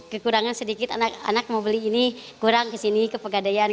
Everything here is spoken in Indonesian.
kekurangan sedikit anak anak mau beli ini kurang kesini ke pegadaian